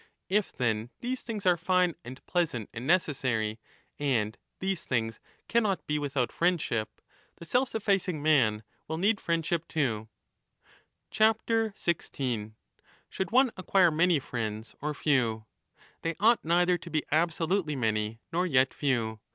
If. then, these things are fine and pleasant and 3° necessary, and these things cannot be without friendship. 1213 the self sufficing man will need friendship too. 16 Should one acquire many friends or few ? They ought neither to be absolutely many nor yet few.